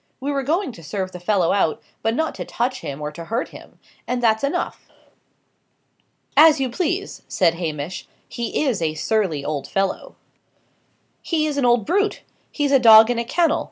We were going to serve the fellow out; but not to touch him or to hurt him; and that's enough." "As you please," said Hamish. "He is a surly old fellow." "He is an old brute! he's a dog in a kennel!